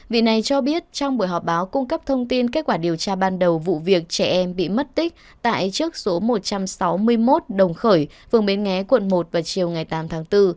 vị này cho biết trong buổi họp báo cung cấp thông tin kết quả điều tra ban đầu vụ việc trẻ em bị mất tích tại trước số một trăm sáu mươi một đồng khởi phường bến nghé quận một vào chiều ngày tám tháng bốn